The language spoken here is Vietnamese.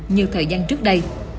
nhiều thời gian trước đây